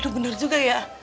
aduh bener juga ya